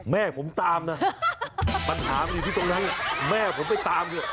แม่ผมตามนะมันถามอยู่ที่ตรงนั้นแม่ผมไปตาม